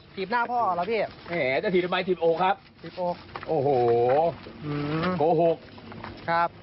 ถีบหน้าพ่อออกแล้วพี่จะถีบทำไมถีบอกครับโอ้โหโกหก